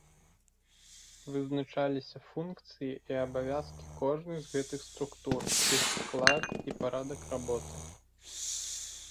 Вызначаліся функцыі і абавязкі кожнай з гэтых структур, іх склад і парадак работы.